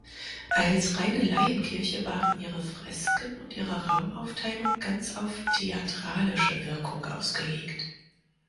Als reine Laienkirche waren ihre Fresken und ihre Raumaufteilung ganz auf theatralische Wirkung ausgelegt.